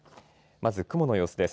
まず雲の様子です。